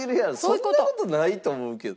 そんな事ないと思うけど。